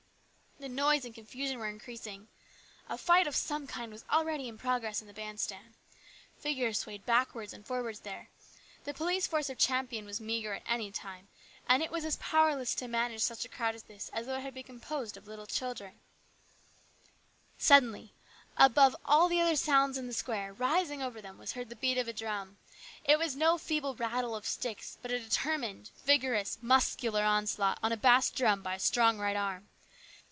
The noise and confusion were increasing. A fight of some kind was already in progress in the band stand. Figures swayed backwards and forwards there. The police force of Champion was meagre at any time, and it was as powerless to manage such a crowd as this as though it had been composed of little children. 88 HIS BROTHER'S KEEPER. Suddenly, above all the other sounds in the square, rising over them, was heard the beat of a drum. It was no feeble rattle of sticks, but a determined, vigorous, muscular onslaught on a bass drum by a strong right arm.